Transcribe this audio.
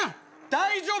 大丈夫？